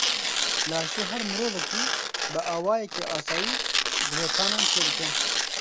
Laşê her mirovekî bi awayekî asayî dijetenan çê dike.